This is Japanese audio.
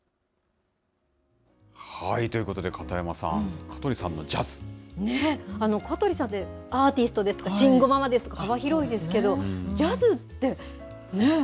ということで、片山さん、香取さんってアーティストですとか、慎吾ママですとか幅広いですけど、ジャズって、ねぇ。